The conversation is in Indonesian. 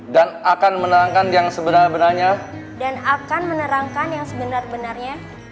dan akan menerangkan yang sebenar benarnya